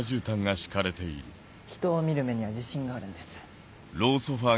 人を見る目には自信があるんです。